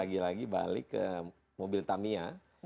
dia lagi balik ke mobil tamiya